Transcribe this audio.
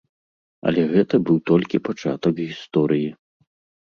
Але гэта быў толькі пачатак гісторыі.